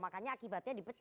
makanya akibatnya dipecah